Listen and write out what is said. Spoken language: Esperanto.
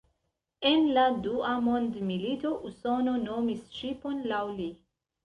En la dua mondmilito Usono nomis ŝipon laŭ li.